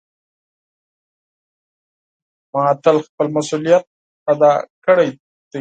ما تل خپل مسؤلیت ادا کړی ده.